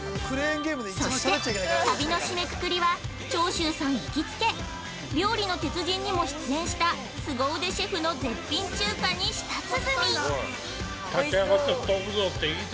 ◆そして、旅の締めくくりは長州さん行きつけ「料理の鉄人」にも出演したすご腕シェフの絶品中華に舌鼓！